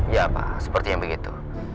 ya pak seperti yang begitu